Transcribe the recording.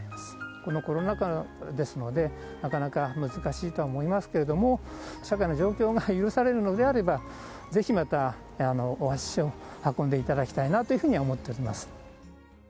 このコロナ禍ですので、なかなか難しいとは思いますけれども、社会の状況が許されるのであれば、ぜひまた、お足を運んでいただきたいなというふうには思っております。